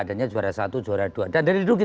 adanya juara satu juara dua